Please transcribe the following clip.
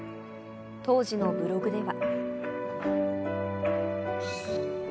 当時のブログでは。